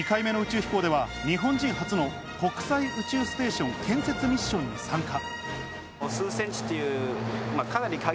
２回目の宇宙飛行では日本人初の国際宇宙ステーション建設ミッションに参加。